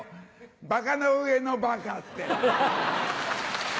「バカの上のバカ」って。